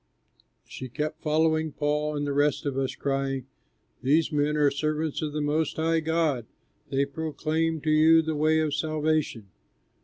She kept following Paul and the rest of us, crying, "These men are servants of the Most High God; they proclaim to you the way of salvation."